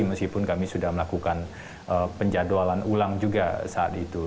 meskipun kami sudah melakukan penjadwalan ulang juga saat itu